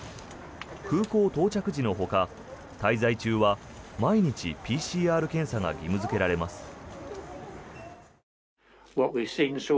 空港到着時のほか滞在中は毎日ＰＣＲ検査が義務付けられます。